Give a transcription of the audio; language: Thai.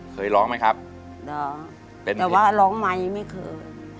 เคยร้องไหมครับร้องแต่ว่าร้องไหมไม่เคย